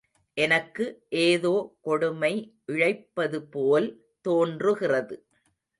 எனக்கு ஏதோ கொடுமை இழைப்பதுபோல் தோன்றுகிறது.